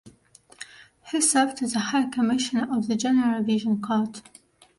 He served as the High Commissioner of the General Revision Court.